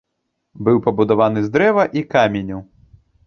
Быў пабудаваны з дрэва і каменю.